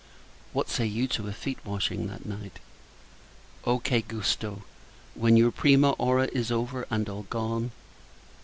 What say you to a feet washing that night? O che Gusto! when your prima ora is over, and all gone.